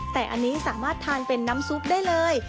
แต่อันนี้สามารถทานเป็นน้ำซุปได้เลย